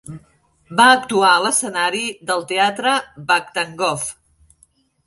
Va actuar a l'escenari del teatre Vakhtangov.